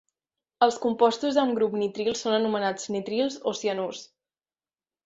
Els compostos amb grup nitril són anomenats nitrils o cianurs.